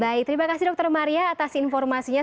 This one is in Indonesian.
baik terima kasih dokter maria atas informasinya